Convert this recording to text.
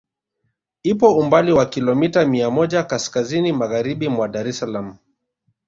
Ipo umbali wa Kilomita mia moja kaskazini Magharibi mwa Dar es Salaam